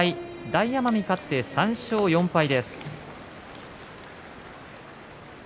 大奄美は勝って３勝です。